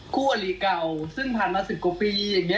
เพราะเสพข่าวอย่างมีสติ